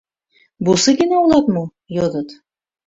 — Бусыгина улат мо? — йодыт.